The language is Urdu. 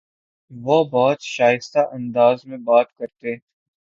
وہ بہت شائستہ انداز میں بات کرتے